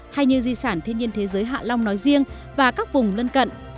hay như di sản thiên nhiên thế giới hạ long nói riêng và các vùng lân cận